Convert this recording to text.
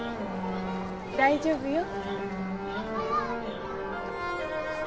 大丈夫よ。